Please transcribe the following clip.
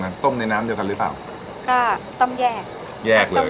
ต้องเตรียมกันต้มในน้ำเดียวกันหรือเปล่าก็ต้มแยกแยกเลย